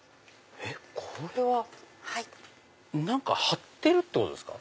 これは何か貼ってるってことですか？